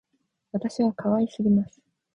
私は可愛すぎます